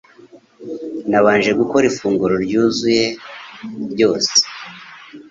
Nabanje gukora ifunguro ryuzuye ryose